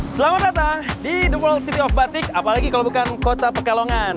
selamat datang di the world city of batik apalagi kalau bukan kota pekalongan